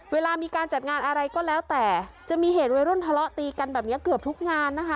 เวลามีการจัดงานอะไรก็แล้วแต่จะมีเหตุวัยรุ่นทะเลาะตีกันแบบนี้เกือบทุกงานนะคะ